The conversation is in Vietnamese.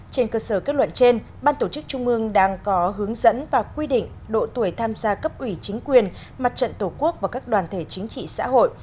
trên cơ sở kết luận trên ban tổ chức trung ương đang có hướng dẫn và quy định độ tuổi tham gia cấp ủy chính quyền mặt trận tổ quốc và các đoàn thể chính trị xã hội